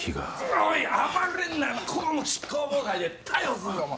おい暴れんなら公務執行妨害で逮捕するぞお前。